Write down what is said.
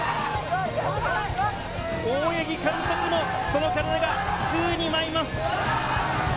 大八木監督のその体が宙に舞います。